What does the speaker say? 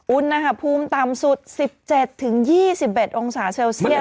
อุณหภูมิต่ำสุด๑๗๒๑องศาเซลเซียส